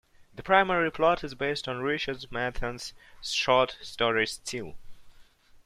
The primary plot is based on Richard Matheson's short story "Steel".